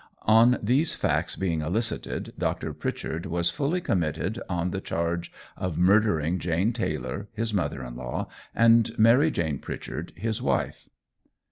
On these facts being elicited, Dr. Pritchard was fully committed on the charge of murdering Jane Taylor his mother in law and Mary Jane Pritchard his wife.